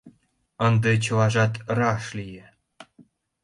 Ынде чылажат раш лие.